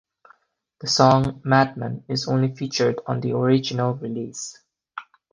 The song "Madman" is only featured on the original release.